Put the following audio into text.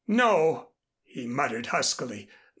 "No!" he muttered huskily.